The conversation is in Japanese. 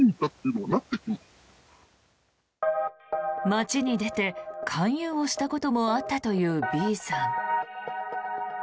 街に出て勧誘をしたこともあったというＢさん。